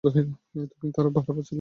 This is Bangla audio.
এতদিন তার ভাড়া পাচ্ছিলুম, তাও জমছিল।